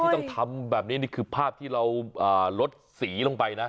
ต้องทำแบบนี้นี่คือภาพที่เราลดสีลงไปนะ